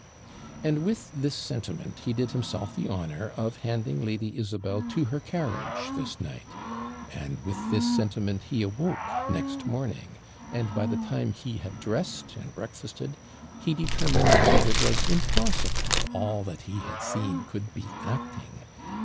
And with this sentiment he did himself the honour of handing Lady Isabel to her carriage this night, and with this sentiment he awoke next morning; and by the time he had dressed and breakfasted he determined that it was impossible all that he had seen could be acting.